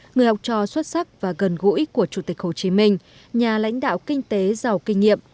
người học trò xuất sắc và gần gũi của chủ tịch hồ chí minh nhà lãnh đạo kinh tế giàu kinh nghiệm